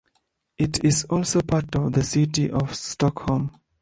It is also part of the city of Stockholm.